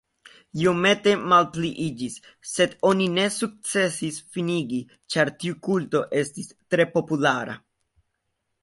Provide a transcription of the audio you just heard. Iomete malpliiĝis, sed oni ne sukcesis finigi, ĉar tiu kulto estis tre populara.